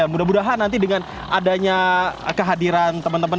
mudah mudahan nanti dengan adanya kehadiran teman teman